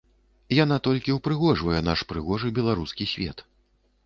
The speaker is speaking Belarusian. Яна толькі ўпрыгожвае наш прыгожы беларускі свет.